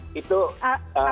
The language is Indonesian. artinya produksinya langsung